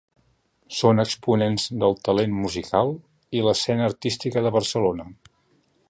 Són exponents del talent musical i l’escena artística de Barcelona.